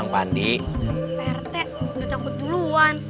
rt udah takut duluan